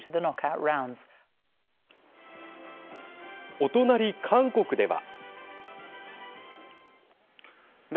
お隣、韓国では。